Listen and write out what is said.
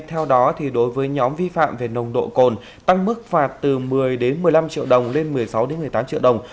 theo đó đối với nhóm vi phạm về nồng độ cồn tăng mức phạt từ một mươi một mươi năm triệu đồng lên một mươi sáu một mươi tám triệu đồng